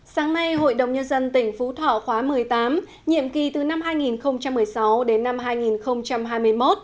sáng nay hội đồng nhân dân tỉnh phú thọ khóa một mươi tám nhiệm kỳ từ năm hai nghìn một mươi sáu đến năm hai nghìn hai mươi một